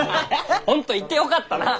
本当行ってよかったな！